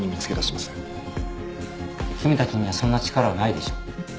君たちにはそんな力はないでしょう。